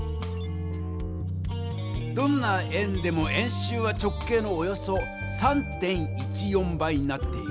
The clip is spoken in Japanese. どんな円でも円周は直径のおよそ３．１４倍になっている。